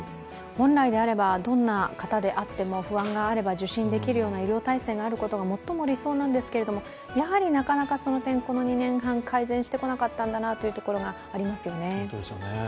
本来であればどんな方であっても不安があれば医療を受診できることが最も理想なんですけれどもやはりなかなかこの点、この２年半、改善してこなかったんだなというところがありますね。